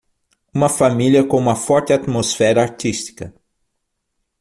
uma família com uma forte atmosfera artística